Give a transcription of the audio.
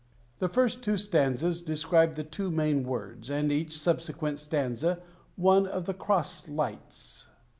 The first two stanzas describe the two main words, and each subsequent stanza one of the cross "lights."